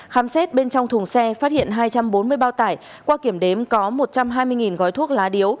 khám xét bên trong thùng xe phát hiện hai trăm bốn mươi bao tải qua kiểm đếm có một trăm hai mươi gói thuốc lá điếu